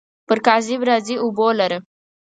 پر کاذب راځي اوبو لره.